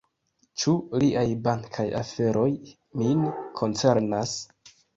Ĉu liaj bankaj aferoj min koncernas?